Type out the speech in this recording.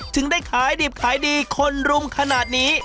ถึงได้ขายดิบขายดีคนรุมขนาดนี้